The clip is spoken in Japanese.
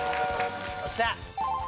よっしゃ。